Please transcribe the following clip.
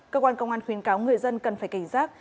cơ quan công an khuyến cáo người dân cần phải cảnh giác